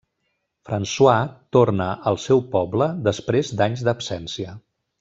François torna al seu poble després d'anys d'absència.